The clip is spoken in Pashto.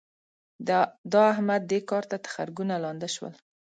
د احمد؛ دې کار ته تخرګونه لانده شول.